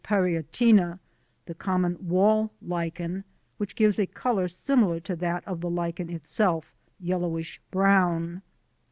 parietina_, the common wall Lichen, which gives a colour similar to that of the Lichen itself, yellowish brown.